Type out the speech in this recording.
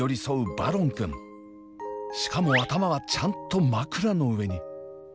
しかも頭はちゃんと枕の上に！